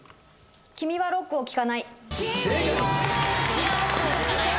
『君はロックを聴かない』正解！